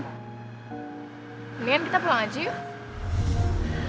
kemudian kita pulang aja yuk